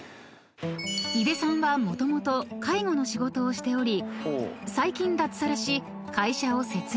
［井手さんはもともと介護の仕事をしており最近脱サラし会社を設立］